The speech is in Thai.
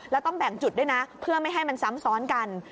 แล้วต้องแบ่งจุดด้วยนะเพื่อไม่ให้มันซ้ำซ้อนกัน